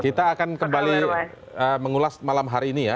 kita akan kembali mengulas malam hari ini ya